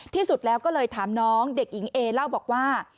ที่สุดแล้วก็เลยถามน้องเด็กหญิงเอเล่าบอกว่า